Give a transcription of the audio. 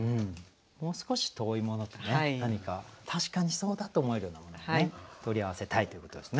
もう少し遠いもので何か確かにそうだと思えるようなものを取り合わせたいということですね。